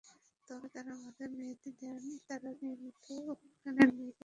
তবে যাঁরা মাথায় মেহেদি দেন তাঁরা নিয়মিতই কেনেন মেহেদির তাজা পাতা।